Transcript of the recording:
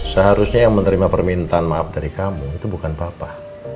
seharusnya yang menerima permintaan maaf dari kamu itu bukan bapak